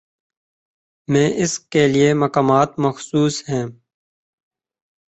میں اس کے لیے مقامات مخصوص ہیں۔